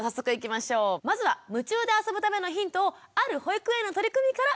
まずは夢中であそぶためのヒントをある保育園の取り組みから探ります。